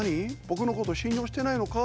僕のこと信用してないのか？